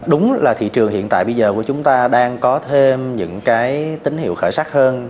đúng là thị trường hiện tại bây giờ của chúng ta đang có thêm những cái tín hiệu khởi sắc hơn